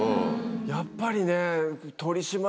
やっぱりね。